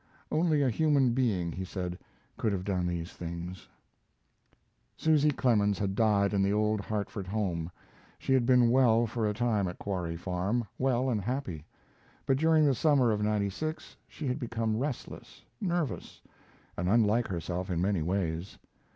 Only a human being, he said, could have done these things. Susy Clemens had died in the old Hartford home. She had been well for a time at Quarry Farm, well and happy, but during the summer of '96 she had become restless, nervous, and unlike herself in many ways.